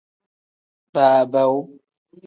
Baabaawu.